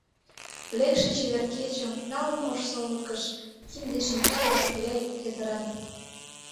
Лекше чевер кечым, налын ош солыкыш, Кинде-шинчалла шуя йытыран.